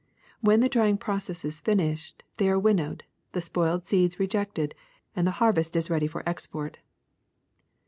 When the drying process is fin ished they are winnowed, the spoiled seeds rejected, and the harvest is ready for export.